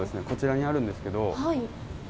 こちらにあるんですけど。